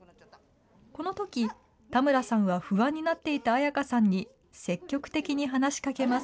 このとき、田村さんは不安になっていた彩花さんに積極的に話しかけます。